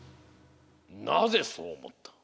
なぜそうおもった？